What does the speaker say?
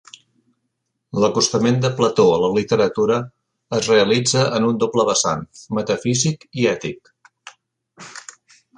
L'acostament de Plató a la literatura es realitza en un doble vessant: metafísic i ètic.